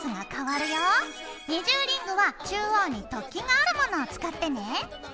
二重リングは中央に突起があるものを使ってね。